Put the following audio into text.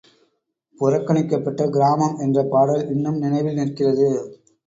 புறக்கணிக்கப்பட்ட கிராமம் என்ற பாடல் இன்னும் நினைவில் நிற்கிறது.